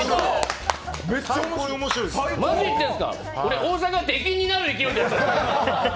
俺、大阪出禁になる勢いです